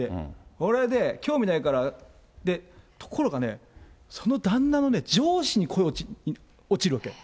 それで、興味ないから、ところがね、その旦那のね、上司に恋に落ちるわけ。